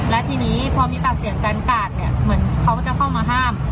และทีนี้พอมีปากเสียงกันกาดเนี่ยเหมือนเขาจะเข้ามาห้าม